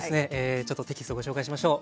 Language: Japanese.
ちょっとテキストご紹介しましょう。